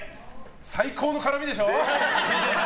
最高の絡みでしょ。